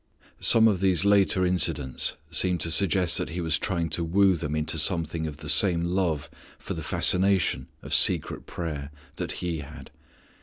Some of these later incidents seem to suggest that he was trying to woo them into something of the same love for the fascination of secret prayer that He had.